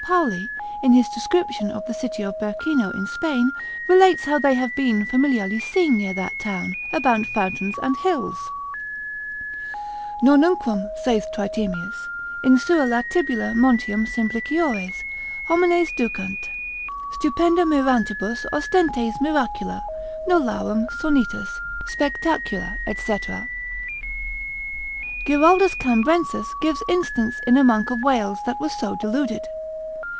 Pauli, in his description of the city of Bercino in Spain, relates how they have been familiarly seen near that town, about fountains and hills; Nonnunquam (saith Tritemius) in sua latibula montium simpliciores homines ducant, stupenda mirantibus ostentes miracula, nolarum sonitus, spectacula, &c. Giraldus Cambrensis gives instance in a monk of Wales that was so deluded.